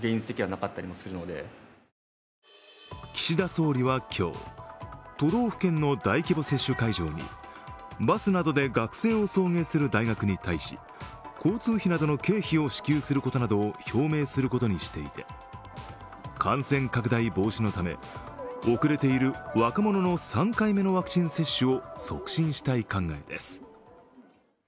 岸田総理は今日、都道府県の大規模接種会場にバスなどで学生を送迎する大学に対し、交通費などの経費を支給することなどを表明することにしていて、感染拡大防止のため遅れている若者の３回目のワクチン接種を促進したい考えです。